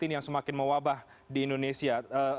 yang semakin mewabah di indonesia